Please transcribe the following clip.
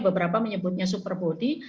beberapa menyebutnya super body